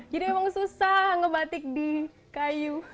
jadi memang susah ngebatik di kayu